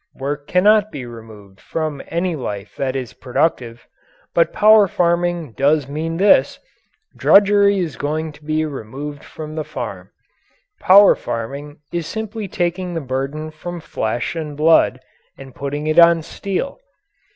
Work cannot be removed from any life that is productive. But power farming does mean this drudgery is going to be removed from the farm. Power farming is simply taking the burden from flesh and blood and putting it on steel.